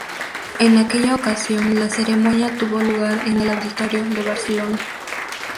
En aquella ocasión la ceremonia tuvo lugar en el Auditorio de Barcelona.